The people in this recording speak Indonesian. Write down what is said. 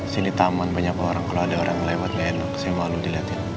sini taman banyak orang kalau ada orang lewat saya malu dilihatin